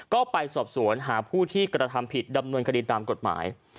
ก็ไปสอบสวนหาผู้ที่กระทำผิดดำเนินคดีตามกฎหมาย